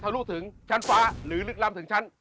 และพระองค์เนี่ยมีพระราชศาสตร์ภาคมากและเคยตรัสบางประการ